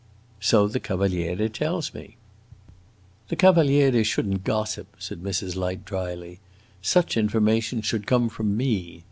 "So the Cavaliere tells me." "The Cavaliere should n't gossip," said Mrs. Light dryly. "Such information should come from me.